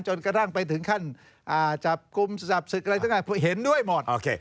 จนกระทั่งไปถึงขั้นจับกลุ่มจับศึกอะไรทั้งหมดเห็นด้วยหมด